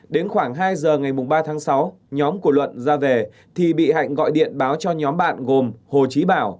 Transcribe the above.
đến khoảng hai giờ ngày ba tháng sáu nhóm của luận ra về thì bị hạnh gọi điện báo cho nhóm bạn gồm hồ trí bảo